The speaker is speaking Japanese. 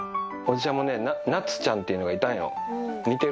おじちゃんもね、夏ちゃんっていうのがいたんよ。